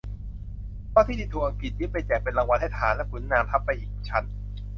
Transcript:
เพราะที่ดินถูกอังกฤษยึดไปแจกเป็นรางวัลให้ทหารและขุนนาง ทับไปอีกชั้น